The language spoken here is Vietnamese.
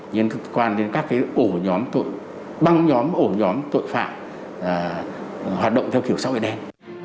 liên quan đến các ổ nhóm tội băng nhóm ổ nhóm tội phạm hoạt động theo kiểu sâu ế đen